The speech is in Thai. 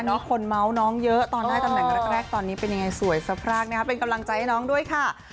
คนเมาส์น้องเยอะตอนได้ตำแหน่งแรกตอนนี้เป็นยังไงสวยสะพรากนะครับเป็นกำลังใจให้น้องด้วยค่ะ